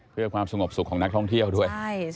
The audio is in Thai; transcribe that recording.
เพื่อความสงบสุขของนักท่องเที่ยวด้วย